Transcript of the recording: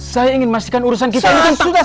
saya ingin memastikan urusan kita ini tentang